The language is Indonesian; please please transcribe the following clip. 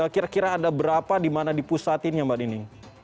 kira kira ada berapa di mana dipusatin ya mbak dini